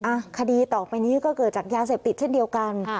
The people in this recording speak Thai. อ่ะคดีต่อไปนี้ก็เกิดจากยาเสพติดเช่นเดียวกัน